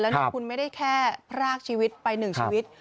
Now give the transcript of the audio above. นี่คุณไม่ได้แค่พรากชีวิตไปหนึ่งชีวิต